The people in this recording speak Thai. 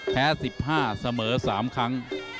แพ้๑๕เสมอ๓ครั้ง